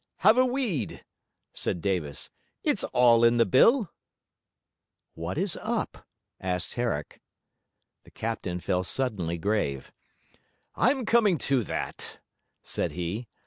'Have a weed,' said Davis. 'It's all in the bill.' 'What is up?' asked Herrick. The captain fell suddenly grave. 'I'm coming to that,' said he.